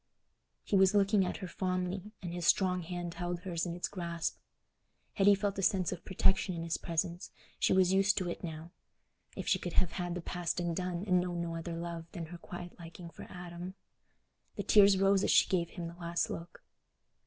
He was looking at her fondly, and his strong hand held hers in its grasp. Hetty felt a sense of protection in his presence—she was used to it now: if she could have had the past undone and known no other love than her quiet liking for Adam! The tears rose as she gave him the last look.